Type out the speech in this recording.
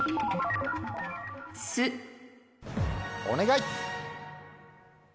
お願い！